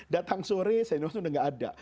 datang sore sayyidina usman sudah tidak ada